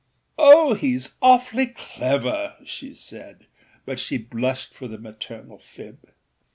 âOh! heâs awfully clever,â she said; but she blushed for the maternal fib.